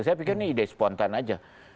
saya pikir ini ide spontan aja